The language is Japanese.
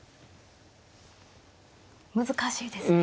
難しいですね。